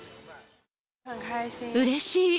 うれしい！